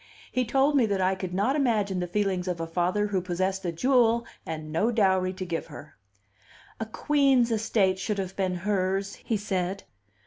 He told me that I could not imagine the feelings of a father who possessed a jewel and no dowry to give her. "A queen's estate should have been hers," he said.